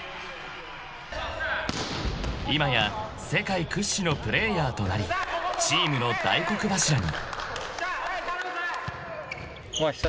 ［今や世界屈指のプレーヤーとなりチームの大黒柱に］